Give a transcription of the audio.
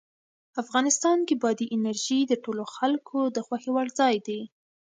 افغانستان کې بادي انرژي د ټولو خلکو د خوښې وړ ځای دی.